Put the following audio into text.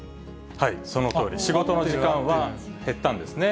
そのとおり、仕事の時間は減ったんですね。